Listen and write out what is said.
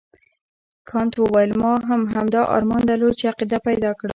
کانت وویل ما هم همدا ارمان درلود چې عقیده پیدا کړم.